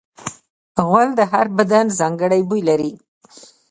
غول د هر بدن ځانګړی بوی لري.